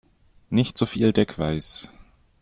Nicht so viel Deckweiß!